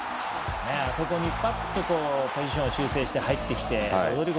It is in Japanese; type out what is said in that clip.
あそこにパッとポジションを修正して入ってきて。